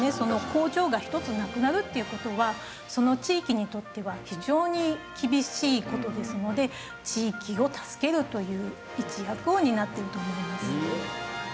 工場が１つなくなるっていう事はその地域にとっては非常に厳しい事ですので地域を助けるという一翼を担ってると思います。